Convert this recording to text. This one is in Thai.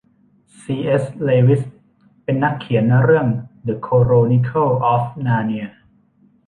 ซีเอส เลวิสเป็นนักเขียนเรื่องเดอะโคโรนิเคิลออฟนาเนีย